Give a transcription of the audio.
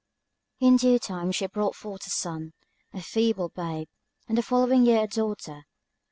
In due time she brought forth a son, a feeble babe; and the following year a daughter.